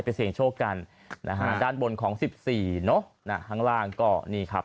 ไปเสียงโชคกันนะฮะด้านบนของ๑๔เนาะห้างล่างก็นี่ครับ